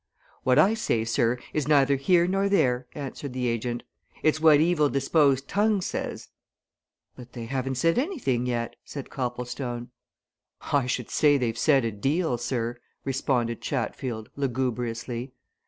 "What I say, sir, is neither here nor there," answered the agent. "It's what evil disposed tongues says." "But they haven't said anything yet," said Copplestone. "I should say they've said a deal, sir," responded Chatfield, lugubriously.